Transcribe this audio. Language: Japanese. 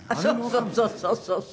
そうそうそうそう。